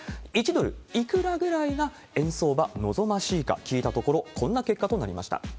１ドルいくらぐらいが円相場、望ましいか聞いたところ、こんな結果となりました。